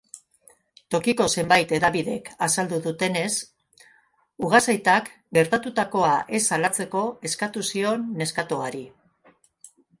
Tokiko zenbait hedabidek azaldu dutenez, ugazaitak gertatutakoa ez salatzeko eskatu zion neskatoari.